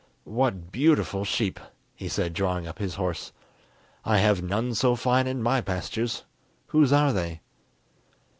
"What beautiful sheep!" he said, drawing up his horse. "I have none so fine in my pastures. Whose are they?"